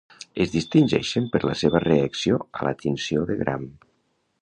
Es distingeixen per la seva reacció a la tinció de Gram.